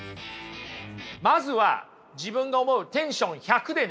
まずは自分の思うテンション１００でね